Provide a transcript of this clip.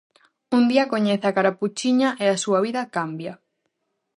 Un día coñece a Carapuchiña e a súa vida cambia.